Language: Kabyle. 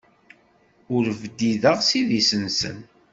Ur bdideɣ s idis-nsen.